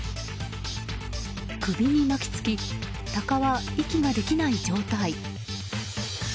首に巻きつきタカは息ができない状態。